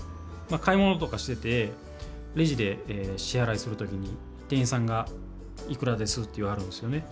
買い物とかしててレジで支払いする時に店員さんが「いくらです」って言わはるんですよね。